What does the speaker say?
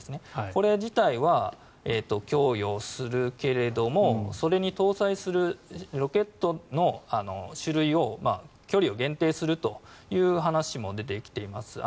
これ自体は供与するけどもそれに搭載するロケットの種類を距離を限定するという話も出てきています。